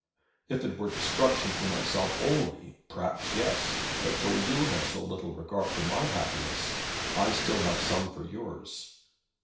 "If it were destruction for myself only perhaps, yes. But though you have so little regard for my happiness, I still have some for yours.